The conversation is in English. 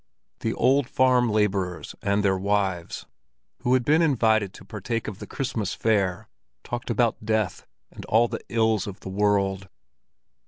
The old farm laborers and their wives, who had been invited to partake of the Christmas fare, talked about death and all the ills of the world.